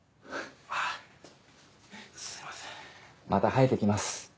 また生えて来ます